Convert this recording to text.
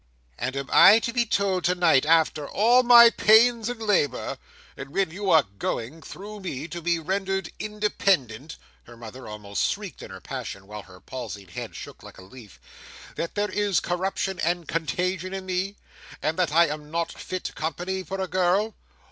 "And am I to be told tonight, after all my pains and labour, and when you are going, through me, to be rendered independent," her mother almost shrieked in her passion, while her palsied head shook like a leaf, "that there is corruption and contagion in me, and that I am not fit company for a girl!